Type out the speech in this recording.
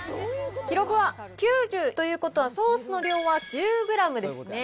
記録は９０ということは、ソースの量は１０グラムですね。